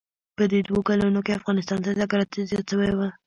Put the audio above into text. په دې دوو کلونو کښې افغانستان ته تگ راتگ زيات سوى و.